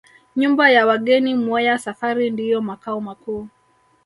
Nyumba ya wageni Mweya Safari ndiyo makao makuu